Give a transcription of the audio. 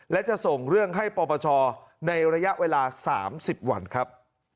และจะส่งเรื่องให้ปปชในระยะเวลา๓๐วันครับ